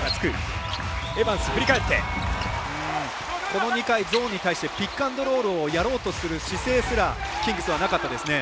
この２回ゾーンに対してピックアンドロールをやろうとする姿勢すらキングスはなかったですね。